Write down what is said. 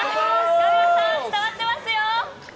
カビラさん伝わってますよ。